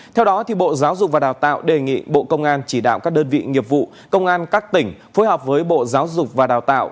theo đó bộ giáo dục và đào tạo đề nghị bộ công an chỉ đạo các đơn vị nghiệp vụ công an các tỉnh phối hợp với bộ giáo dục và đào tạo